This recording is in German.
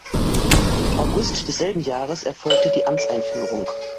August desselben Jahres erfolgte die Amtseinführung.